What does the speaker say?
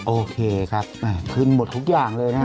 โอเคครับขึ้นหมดทุกอย่างเลยนะฮะ